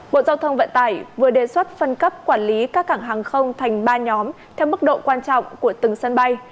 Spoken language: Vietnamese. bộ giao thông vận tải vừa đề xuất phân cấp quản lý các cảng hàng không thành ba nhóm theo mức độ quan trọng của từng sân bay